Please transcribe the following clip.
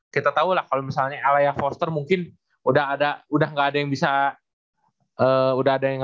kita tahu lah kalau misalnya alaya foster mungkin sudah nggak ada yang bisa jagain sih selesai juga lawan lawannya ya